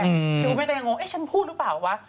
คุณแม่ก็ยังงงเอ๊ะฉันพูดหรือเปล่าวะ